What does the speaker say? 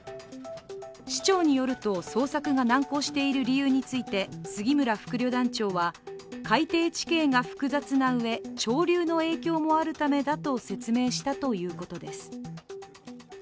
市長によると、捜索が難航している理由について、杉村副旅団長は海底地形が複雑なうえ潮流の影響もあるためだと説明したということです。